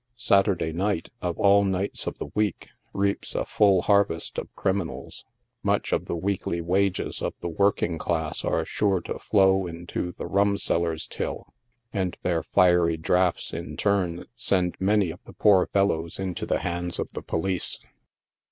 Saturday night, of all nights of the week, reaps a fall harvest of' criminals. Much of the weekly wages of the working class are sure to flow into the rumseller's till, and their fiery draughts in turn send many of the poor fellows into the hands THE TOMBS ON SUNDAY MORNING. 41 of the police.